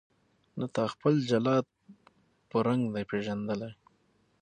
نه تا خپل جلاد په رنګ دی پیژندلی